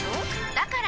だから！